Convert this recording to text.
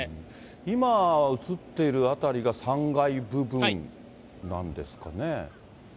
今映っている辺りが３階部分なんですかね。